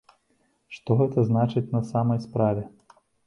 Што гэта значыць на самай справе?